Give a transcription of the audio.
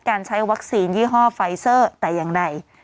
การใช้วัคซีนยี่ห้อไฟเซอร์แต่อย่างใด